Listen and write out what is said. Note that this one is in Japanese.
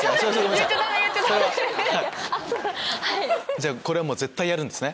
じゃあこれはもう絶対やるんですね。